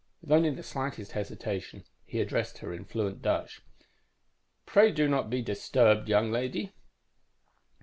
_ _With only the slightest hesitation, he addressed her in fluent Dutch. "Pray do not be disturbed, young lady."